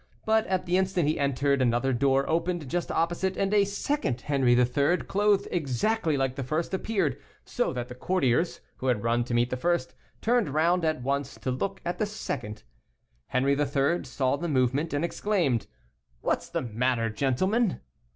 But at the instant he entered another door opened just opposite, and a second Henri III., clothed exactly like the first, appeared, so that the courtiers, who had run to meet the first, turned round at once to look at the second. Henri III. saw the movement, and exclaimed: "What is the matter, gentlemen?"